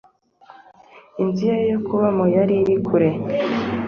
Inzu ye yo kubamo yaririkure.